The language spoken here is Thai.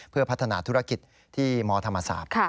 เพื่อพัฒนาธุรกิจที่มธรรมศาสตร์